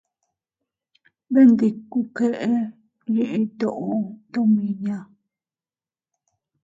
Bee ndikku keʼe yiʼi toʼo omiña.